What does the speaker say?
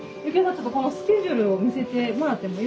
ちょっとこのスケジュールを見せてもらってもよい？